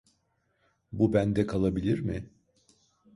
Bu bende kalabilir mi?